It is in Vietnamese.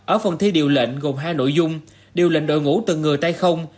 ở phần thi điều lệnh gồm hai nội dung điều lệnh đội ngũ từng ngừa tay không